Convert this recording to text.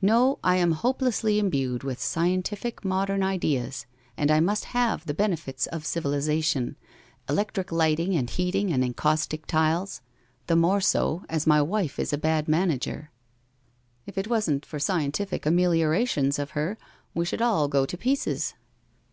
No, I am hopelessly imbued with scientific modern ideas, and I must have the benefits of civilization — electric lighting and heating and encaustic tiles — the more so, as my wife is a bad manager. If it wasn't for scientific ameliorations of her, we should all go to pieces.